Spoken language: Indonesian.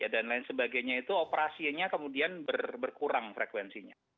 dan lain sebagainya itu operasinya kemudian berkurang frekuensinya